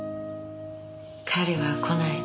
彼は来ない。